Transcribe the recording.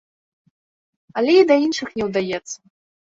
Але і да іншых не ўдаецца.